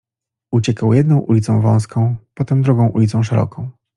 Uciekał jedną ulicą wąską, potem drugą ulicą szeroką.